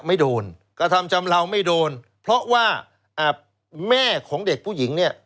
ไม่โดนกระทำชำเลาไม่โดนเพราะว่าอ่าแม่ของเด็กผู้หญิงเนี่ย